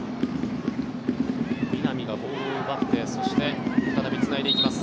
南がボールを奪ってそして再びつないでいきます。